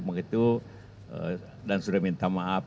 maka itu dan sudah minta maaf